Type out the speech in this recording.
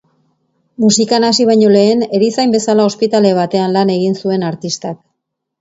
Musikan hasi baino lehen, erizain bezala ospitale batean lan egin zuen artistak.